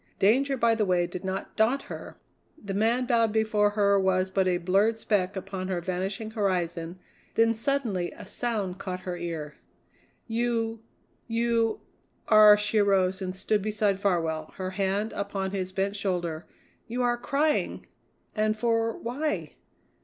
Danger by the way did not daunt her; the man bowed before her was but a blurred speck upon her vanishing horizon; then suddenly a sound caught her ear. "You you are" she arose and stood beside Farwell, her hand upon his bent shoulder "you are crying; and for why?"